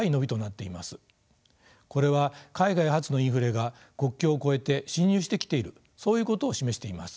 これは海外発のインフレが国境を越えて侵入してきているそういうことを示しています。